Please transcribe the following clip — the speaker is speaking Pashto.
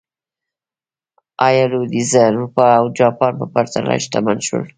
ایا لوېدیځه اروپا او جاپان په پرتله شتمن شول.